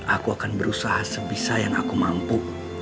aku akan berusaha sebisa yang aku mampu